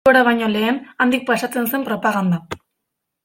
Bilbora baino lehen, handik pasatzen zen propaganda.